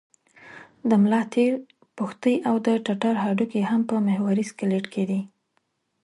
د ملا تیر، پښتۍ او د ټټر هډوکي هم په محوري سکلېټ کې دي.